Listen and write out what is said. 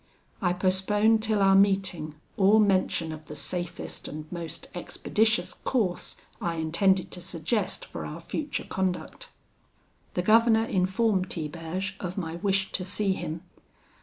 I postponed till our meeting all mention of the safest and most expeditious course I intended to suggest for our future conduct. The governor informed Tiberge of my wish to see him.